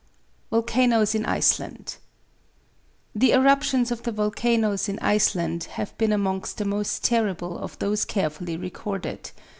VOLCANOES IN ICELAND The eruptions of the volcanoes in Iceland have been amongst the most terrible of those carefully recorded.